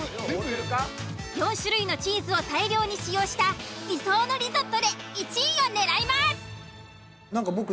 ４種類のチーズを大量に使用した理想のリゾットで１位を狙います。